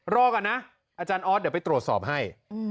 รอก่อนนะอาจารย์ออสเดี๋ยวไปตรวจสอบให้